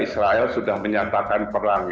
israel sudah menyatakan perang